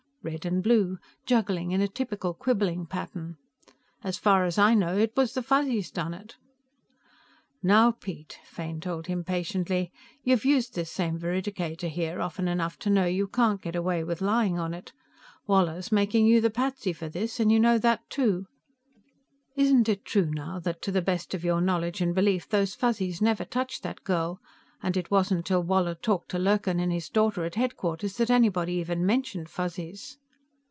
Red and blue, juggling in a typical quibbling pattern. "As far as I know, it was the Fuzzies done it." "Now, Piet," Fane told him patiently. "You've used this same veridicator here often enough to know you can't get away with lying on it. Woller's making you the patsy for this, and you know that, too. Isn't it true, now, that to the best of your knowledge and belief those Fuzzies never touched that girl, and it wasn't till Woller talked to Lurkin and his daughter at headquarters that anybody even mentioned Fuzzies?"